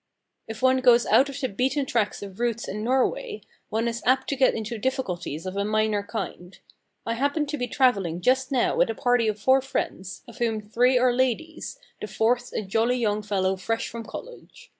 If one goes out of the beaten track of "routes" in Norway, one is apt to get into difficulties of a minor kind. I happen to be travelling just now with a party of four friends, of whom three are ladies, the fourth a jolly young fellow fresh from college.